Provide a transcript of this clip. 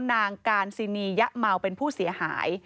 นางการซินียะเมาเป็นผู้เสียหาย